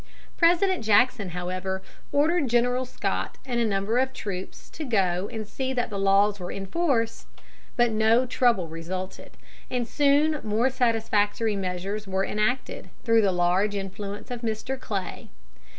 President Jackson, however, ordered General Scott and a number of troops to go and see that the laws were enforced; but no trouble resulted, and soon more satisfactory measures were enacted, through the large influence of Mr. Clay.